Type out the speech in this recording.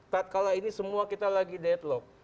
tadkala ini kita semua lagi deadlock